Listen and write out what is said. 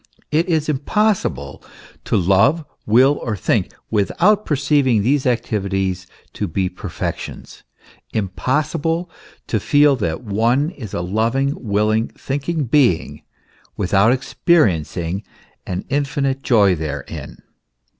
It is impossible to love, will, or think, without per ceiving these activities to be perfections impossible to feel that one is a loving, willing, thinking being, without expe riencing an infinite joy therein.